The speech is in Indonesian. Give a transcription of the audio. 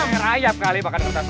kayak rayap kali makan kertas